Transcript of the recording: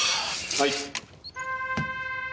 はい。